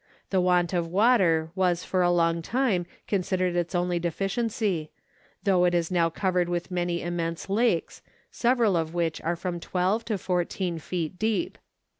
The want of water was for a long time considered its only deficiency, though it is now covered with many immense lakes, several of which are from 12 to 14 feet deep.